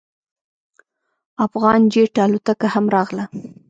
افغان جیټ الوتکه هم راغله.